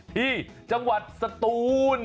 ที่จังหวัดสตูน